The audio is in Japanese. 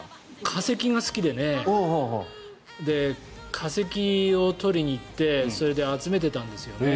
化石が好きでね化石を取りに行ってそれで集めてたんですよね。